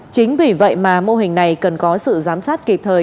chính vì vậy mà mô hình này cần có sự giám sát kịp thời